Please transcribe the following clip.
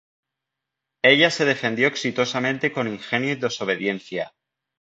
Ella se defendió exitosamente con ingenio y desobediencia.